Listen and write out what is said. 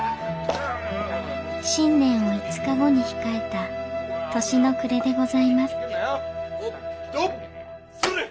新年を５日後に控えた年の暮れでございます